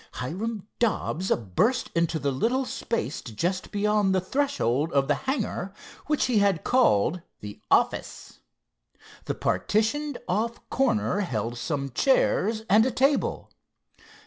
Hiram Dobbs burst into the little space just beyond the threshold of the hangar, which he had called "the office." The partitioned off corner held some chairs and a table.